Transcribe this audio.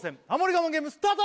我慢ゲームスタート！